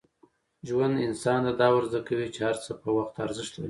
ژوند انسان ته دا ور زده کوي چي هر څه په وخت ارزښت لري.